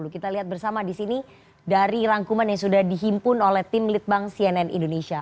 kita lihat bersama di sini dari rangkuman yang sudah dihimpun oleh tim litbang cnn indonesia